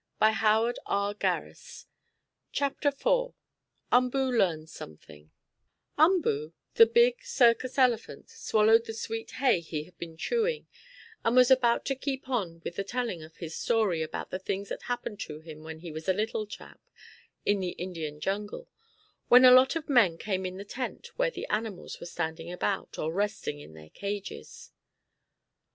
"Did she let you, Umboo?" CHAPTER IV UMBOO LEARNS SOMETHING Umboo, the big circus elephant, swallowed the sweet hay he had been chewing, and was about to keep on with the telling of his story about the things that happened to him when he was a little chap in the Indian jungle, when a lot of men came in the tent where the animals were standing about, or resting in their cages.